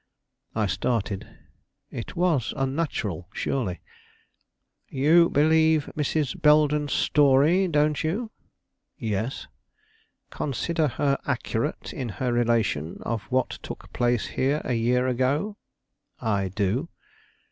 I started; it was unnatural surely. "You believe Mrs. Belden's story, don't you?" "Yes." "Consider her accurate in her relation of what took place here a year ago?" "I do."